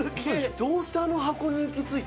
「どうしてあの箱に行き着いた？」